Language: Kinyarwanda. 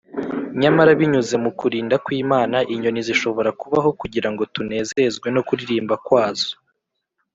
nyamara binyuze mu kurinda kw’imana, inyoni zishobora kubaho kugira ngo tunezezwe no kuririmba kwazo